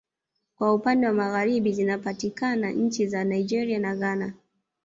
Kwa upande wa Magharibi zinapatikana nchi za Nigeria na Ghana